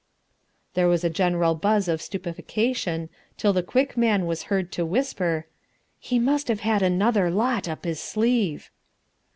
There was a general buzz of stupefaction till the Quick Man was heard to whisper, "He must have had another lot up his sleeve."